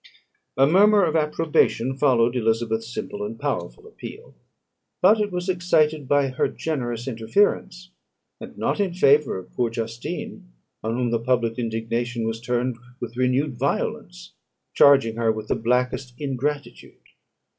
A murmur of approbation followed Elizabeth's simple and powerful appeal; but it was excited by her generous interference, and not in favour of poor Justine, on whom the public indignation was turned with renewed violence, charging her with the blackest ingratitude.